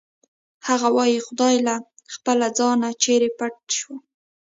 هغه وایی خدایه له خپله ځانه چېرې پټ شم